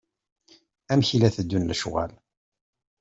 Amek i la teddun lecɣal.